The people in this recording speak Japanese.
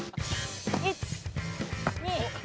１・２。